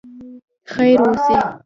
خیر اوسې.